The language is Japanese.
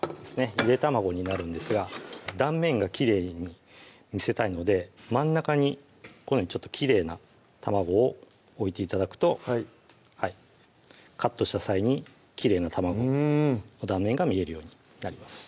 ゆで卵になるんですが断面がきれいに見せたいので真ん中にこのようにきれいな卵を置いて頂くとカットした際にきれいな卵の断面が見えるようになります